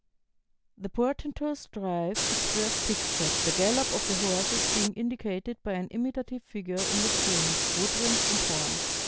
" The portentous drive is first pictured, the gallop of the horses being indicated by an imitative figure in the strings, wood wind, and horns.